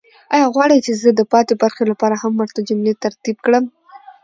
آیا غواړئ چې زه د پاتې برخې لپاره هم ورته جملې ترتیب کړم؟